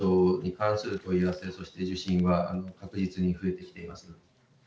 後遺症に関する問い合わせ、そして受診は確実に増えてきています。